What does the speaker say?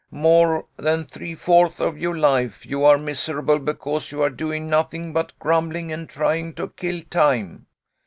More than three fourths of your life you are miserable because you are doing nothing but grumbling and trying to kill time.